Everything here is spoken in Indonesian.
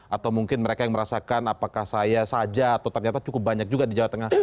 atau mungkin mereka yang merasakan apakah saya saja atau ternyata cukup banyak juga di jawa tengah